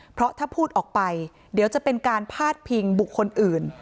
เพราะถ้าพูดออกไปเดี๋ยวจะเป็นการพาดพิงบุคคลอื่น